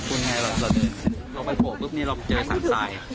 พรุ่งไหนเราเดินลงไปโผล่ปุ๊บนี้เราก็เจอสันทราย